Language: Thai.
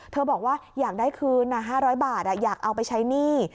บอกว่าอยากได้คืน๕๐๐บาทอยากเอาไปใช้หนี้